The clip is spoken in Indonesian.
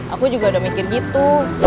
aku juga udah mikir gitu